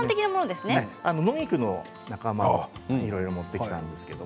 野菊の仲間をいろいろ持ってきました。